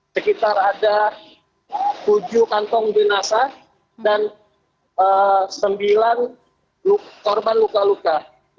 sekitar ada tujuh kantong jenazah dan sembilan korban luka luka